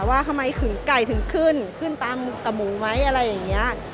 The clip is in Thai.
ว่าทำไมถึงไก่ถึงขึ้นขึ้นตามกับหมูไหมอะไรอย่างนี้